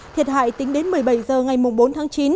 thiệt hại tính đến một mươi bảy h ngày bốn tháng chín